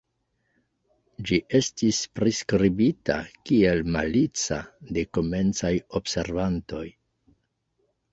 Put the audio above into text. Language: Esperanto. Ĝi estis priskribita kiel "malica" de komencaj observantoj.